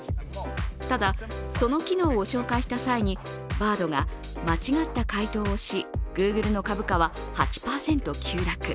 ただ、その機能を紹介した際にＢａｒｄが間違った回答をし、Ｇｏｏｇｌｅの株価は８％急落。